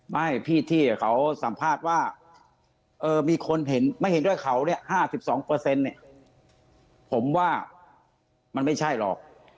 ไม่พี่ที่เขาสัมภาษณ์ว่ามีคนเห็นไม่เห็นด้วยเขาเนี่ย๕๒เนี่ยผมว่ามันไม่ใช่หรอก